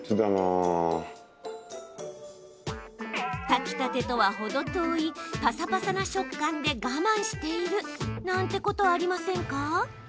炊きたてとは、程遠いパサパサな食感で我慢しているなんてことありませんか？